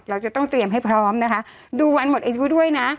เราจะต้องเตรียมให้พร้อมนะคะดูวันหมดอายุด้วยนะ